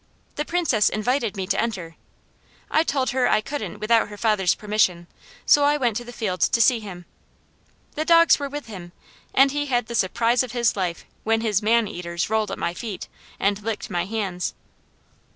The Princess invited me to enter. I told her I couldn't without her father's permission, so I went to the field to see him. The dogs were with him and he had the surprise of his life when his man eaters rolled at my feet, and licked my hands."